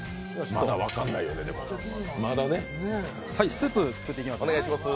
スープを作っていきます。